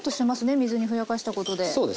水にふやかしたことで。